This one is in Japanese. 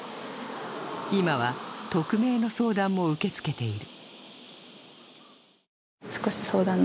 今は匿名の相談も受け付けている。